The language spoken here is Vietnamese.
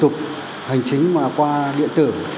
thủ tục hành chính qua điện tử